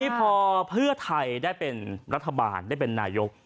นี่พอเพื่อไทยได้เป็นรัฐบาลได้เป็นนายก